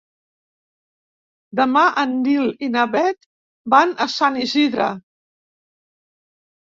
Demà en Nil i na Bet van a Sant Isidre.